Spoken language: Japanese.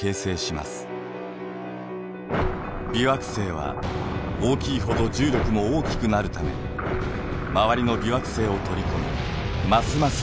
微惑星は大きいほど重力も大きくなるため周りの微惑星を取り込みますます